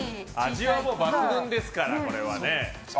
味は抜群ですから、これはね。